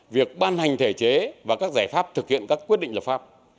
việc ban hành thể chế và các giải pháp thực hiện các quyết định lập pháp